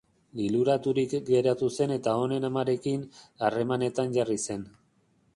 Liluraturik geratu zen eta honen amarekin harremanetan jarri zen.